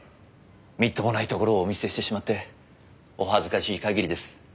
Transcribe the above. みっともないところをお見せしてしまってお恥ずかしい限りです。